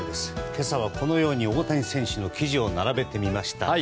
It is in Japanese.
今朝は、このように大谷選手の記事を並べてみました。